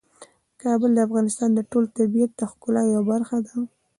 کابل د افغانستان د ټول طبیعت د ښکلا یوه برخه ده.